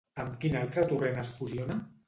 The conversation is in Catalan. Amb quin altre torrent es fusiona?